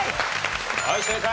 はい正解！